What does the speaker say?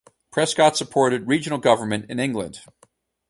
Prescott supported regional government in England.